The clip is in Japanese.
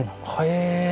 へえ。